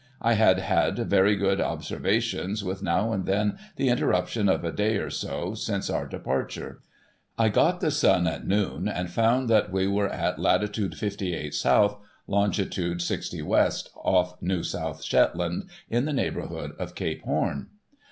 I had had very good observations, with now and then the interruption of a day or so, since our departure. I got the sun at noon, and found that we were in Lat. 58° S., Long. 60^ W., off New South Shetland ; in the neighbourhood of Cape Horn.